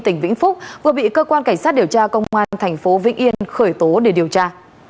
tỉnh vĩnh phúc vừa bị cơ quan cảnh sát điều tra công an thành phố vĩnh yên khởi tố để điều tra